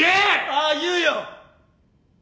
ああ言うよ！